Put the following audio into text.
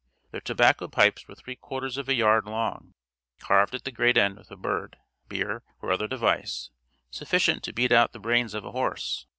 Their tobacco pipes were three quarters of a yard long; carved at the great end with a bird, beare, or other device, sufficient to beat out the brains of a horse.